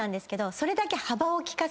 それだけ。